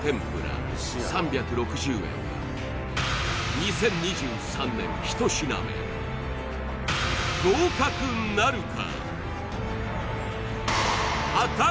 ２０２３年１品目合格なるか？